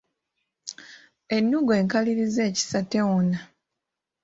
Ennungu enkalirize ekisa tewona.